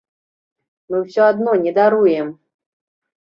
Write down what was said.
Мы ўсё адно не даруем!